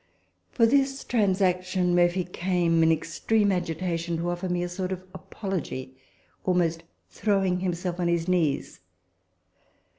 For this trans action Murphy came, in extreme agitation, to offer me a sort of apology, almost throwing himself on his knees.